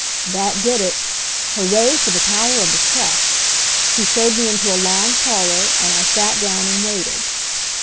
That did it. Hooray for the power of the press! She showed me into a long parlor, and I sat down and waited.